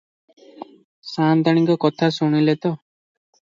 ସାଆନ୍ତାଣୀଙ୍କ କଥା ଶୁଣିଲେ ତ?